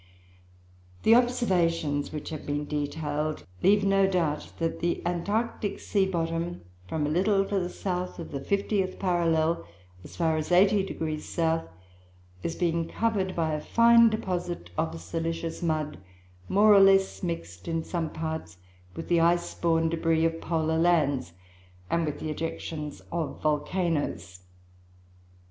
The observations which have been detailed leave no doubt that the Antarctic sea bottom, from a little to the south of the fiftieth parallel, as far as 80° S., is being covered by a fine deposit of silicious mud, more or less mixed, in some parts, with the ice borne débris of polar lands and with the ejections of volcanoes.